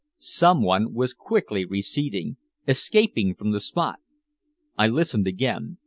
Someone was quickly receding escaping from the spot. I listened again.